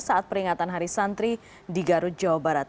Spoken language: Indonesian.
saat peringatan hari santri di garut jawa barat